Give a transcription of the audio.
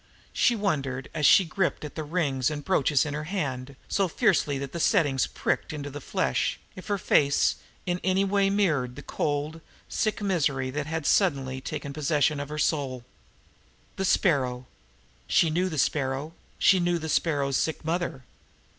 She wondered, as she gripped at the rings and brooches in hand, so fiercely that the settings pricked into the flesh, if her face mirrored in any way the cold, sick misery that had suddenly taken possession of her soul. The Sparrow! She knew the Sparrow; she knew the Sparrow's sick mother.